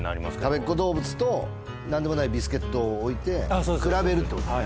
たべっ子どうぶつと何でもないビスケットを置いて比べるってことね